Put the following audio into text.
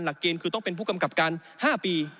เกณฑ์คือต้องเป็นผู้กำกับการ๕ปี